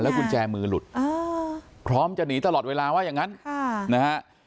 กุญแจมือหลุดพร้อมจะหนีตลอดเวลาว่าอย่างนั้นนะฮะ